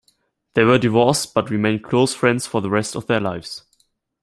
They were divorced but remained close friends for the rest of their lives.